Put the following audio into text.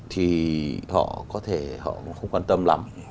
thì họ có thể không quan tâm lắm